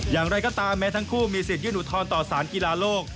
อย่างไรก็ตามแม้ทั้งคู่มีสิทธิยื่นอุทธรณ์ต่อสารกีฬาโลก